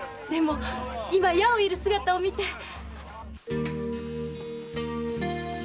でも今矢を射る姿を見て。